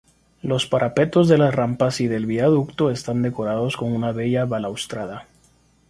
Los parapetos de las rampas y del viaducto están decorados con una bella balaustrada.